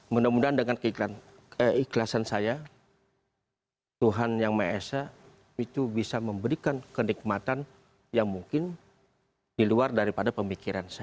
mudah mudahan dengan keikhlasan saya tuhan yang maha esa itu bisa memberikan kenikmatan yang mungkin di luar daripada pemikiran saya